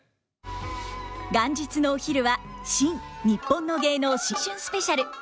元日のお昼は「新・にっぽんの芸能新春スペシャル」。